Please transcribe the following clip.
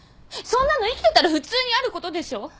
そんなの生きてたら普通にあることでしょ？